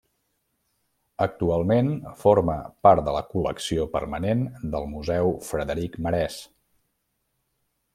Actualment forma part de la col·lecció permanent del Museu Frederic Marès.